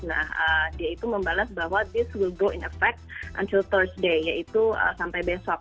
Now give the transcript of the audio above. nah dia itu membalas bahwa this will go in effect unfilters day yaitu sampai besok